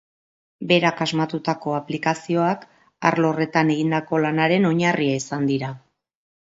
Berak asmatutako aplikazioak arlo horretan egindako lanaren oinarria izan dira.